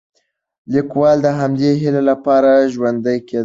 لیکوال د همدې هیلې لپاره ژوند کوي.